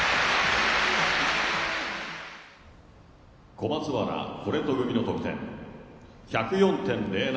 「小松原コレト組の得点１０４．０７」。